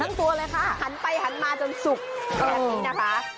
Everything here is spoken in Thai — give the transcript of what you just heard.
ตัวเลยค่ะหันไปหันมาจนสุกแบบนี้นะคะ